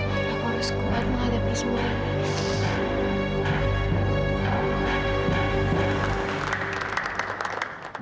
aku harus menghadapi semua ini